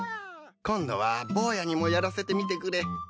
今度はボーヤにもやらせてみてくれ。